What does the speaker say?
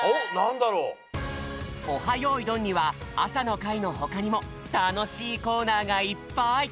よいどん」には朝の会のほかにもたのしいコーナーがいっぱい！